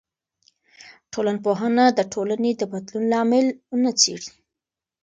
ټولنپوهنه د ټولنې د بدلون لاملونه څېړي.